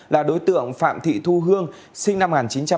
là đối tượng phạm thị thu hương sinh năm một nghìn chín trăm tám mươi